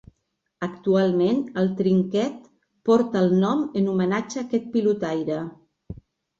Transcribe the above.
Actualment, el trinquet porta el nom en homenatge a aquest pilotaire.